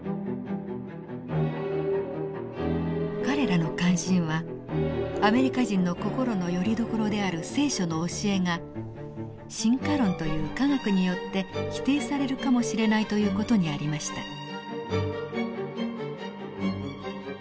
彼らの関心は「アメリカ人の心のよりどころである『聖書』の教えが進化論という科学によって否定されるかもしれない」という事にありました。